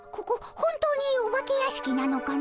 本当にお化け屋敷なのかの？